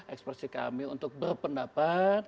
ekspresi kami untuk berpendapat